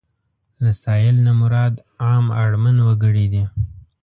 له سايل نه مراد عام اړمن وګړي دي.